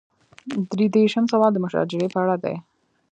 درې دېرشم سوال د مشاجرې په اړه دی.